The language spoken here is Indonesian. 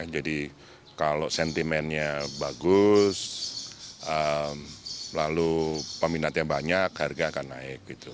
jadi kalau sentimennya bagus lalu peminatnya banyak harga akan naik